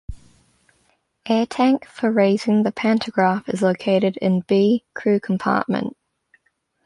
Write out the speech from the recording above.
Air tank for raising the pantograph is located in "B" crew compartment.